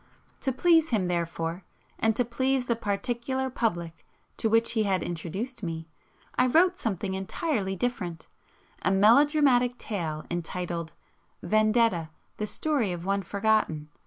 To please him, therefore, and to please the particular public to which he had introduced me, I wrote something entirely different, a melodramatic tale entitled: "Vendetta: The Story of One Forgotten."